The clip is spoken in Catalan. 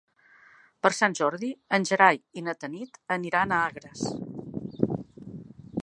Per Sant Jordi en Gerai i na Tanit aniran a Agres.